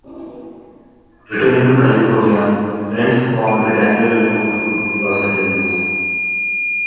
Returning to California, Lentz formed the Daniel Lentz Group in Los Angeles.